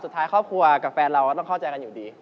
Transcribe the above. ครอบครัวกับแฟนเราก็ต้องเข้าใจกันอยู่ดี